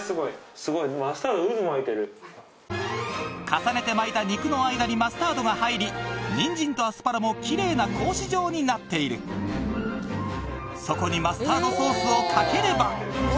重ねて巻いた肉の間にマスタードが入りニンジンとアスパラもキレイな格子状になっているそこにマスタードソースをかければお！